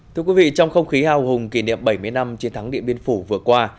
thưa quý vị trong không khí hào hùng kỷ niệm bảy mươi năm chiến thắng điện biên phủ vừa qua